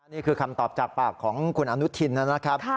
นี่คือคำตอบจากปากของคุณอนุทินนะครับ